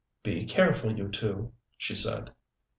"Be careful, you two," she said.